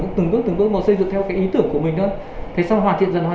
cũng từng bước từng bước một xây dựng theo cái ý tưởng của mình thôi thế xong hoàn thiện dần hoàn